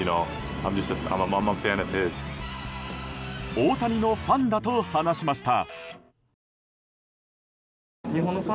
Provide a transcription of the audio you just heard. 大谷のファンだと話しました。